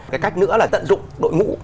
cái cách nữa là tận dụng đội ngũ